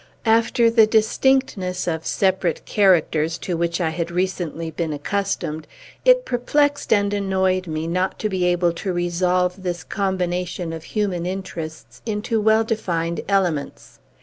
After the distinctness of separate characters to which I had recently been accustomed, it perplexed and annoyed me not to be able to resolve this combination of human interests into well defined elements.